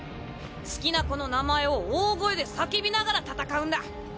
好きな子の名前を大声で叫びながら戦うんだ。